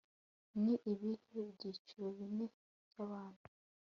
ni ibihe byiciro bine by'abantu